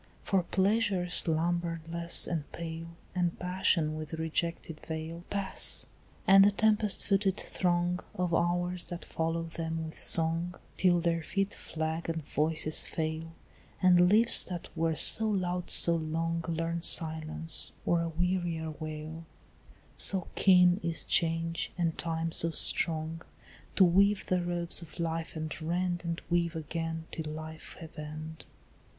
For Pleasure slumberless and pale, And Passion with rejected veil, Pass, and the tempest footed throng Of hours that follow them with song Till their feet flag and voices fail, And lips that were so loud so long Learn silence, or a wearier wail; So keen is change, and time so strong, To weave the robes of life and rend And weave again till life have end.